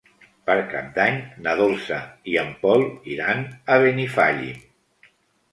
Per Cap d'Any na Dolça i en Pol iran a Benifallim.